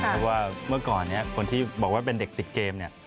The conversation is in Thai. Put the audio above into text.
เพราะว่าเมื่อก่อนคนที่บอกว่าเป็นเด็กติดเกมเนี่ย